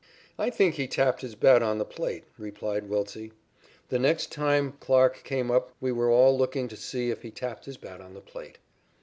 "I think he tapped his bat on the plate," replied Wiltse. The next time Clarke came up we were all looking to see if he tapped his bat on the plate.